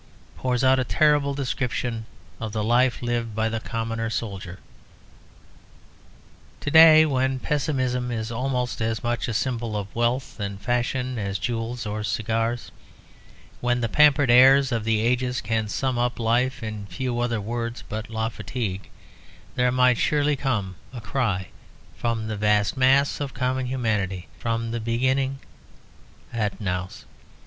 _ pours out a terrible description of the life lived by the commoner soldier. To day, when pessimism is almost as much a symbol of wealth and fashion as jewels or cigars, when the pampered heirs of the ages can sum up life in few other words but la fatigue, there might surely come a cry from the vast mass of common humanity from the beginning _et nous?